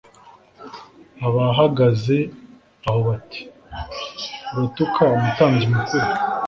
Abahagaze aho bati Uratuka umutambyi mukuru